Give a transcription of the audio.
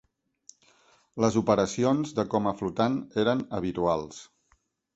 Les operacions de coma flotant eren habituals.